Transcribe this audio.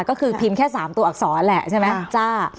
ก็คือพิมพ์แค่๓ตัวอักษรแหละใช่ไหมจ้า